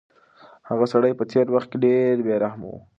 هغه سړی په تېر وخت کې ډېر بې رحمه و.